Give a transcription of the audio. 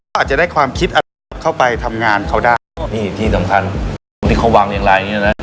ก็อาจจะได้ความคิดอ่ะเข้าไปทำงานเขาได้นี่ที่สำคัญที่เขาวางอย่างลายอย่างนี้นะ